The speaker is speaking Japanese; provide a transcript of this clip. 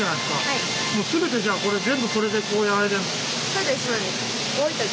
そうですそうです。